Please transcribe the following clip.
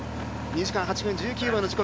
２時間８分１９秒の自己